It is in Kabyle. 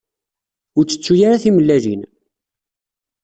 Ur ttettu ara timellalin.